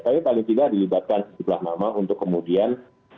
tapi paling tidak dilibatkan setelah lama untuk kemudian